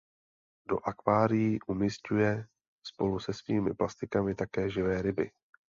Do akvárií umisťuje spolu se svými plastikami také živé ryby.